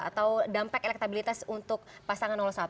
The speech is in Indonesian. atau dampak elektabilitas untuk pasangan satu